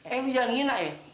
eh jangan gini nay